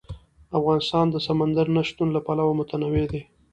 افغانستان د سمندر نه شتون له پلوه متنوع دی.